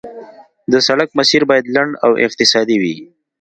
د سړک مسیر باید لنډ او اقتصادي وي